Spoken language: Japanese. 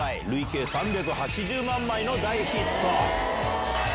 累計３８０万枚の大ヒット。